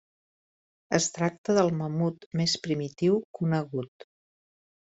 Es tracta del mamut més primitiu conegut.